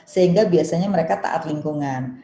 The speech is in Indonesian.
sehingga biasanya mereka taat lingkungan